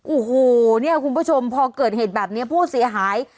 โอ้โหเนี่ยคุณผู้ชมพอเกิดเหตุแบบนี้ผู้เสียหาย